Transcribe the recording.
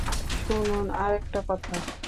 শুনুন, আরেকটা কথা।